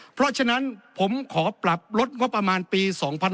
เพราะฉะนั้นผมขอปรับลดงบประมาณปี๒๕๖๒